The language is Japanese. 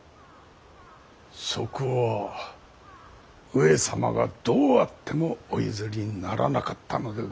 そこは上様がどうあってもお譲りにならなかったのでございます。